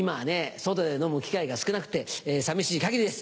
外で飲む機会が少なくて寂しい限りです。